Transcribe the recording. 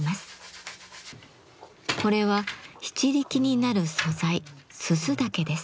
これは篳篥になる素材煤竹です。